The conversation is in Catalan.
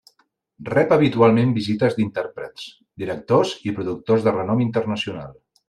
Rep habitualment visites d'intèrprets, directors i productors de renom internacional.